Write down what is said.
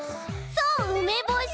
そううめぼし。